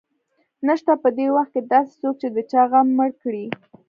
نشته په دې وخت کې داسې څوک چې د چا غم مړ کړي